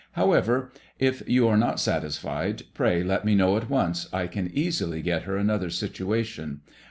However, if you are not satisfied, pray let me know at once. I can easily get her another situation.